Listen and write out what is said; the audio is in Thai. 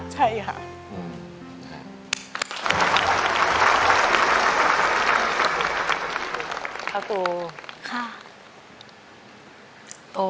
ใช่ค่ะ